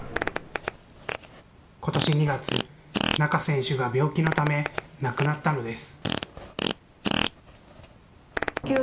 ことし２月、仲選手が病気のため亡くなったのです。